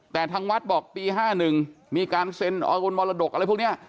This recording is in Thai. แต่ทางวัดบอกปี๕๑มีการเซ็นมรดกอะไรพวกนี้